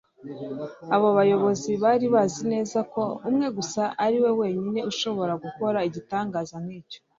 Abo bayobozi bari bazi neza ko umwe gusa ariwe wenyine ushobora gukora igitangaza nk'icyo;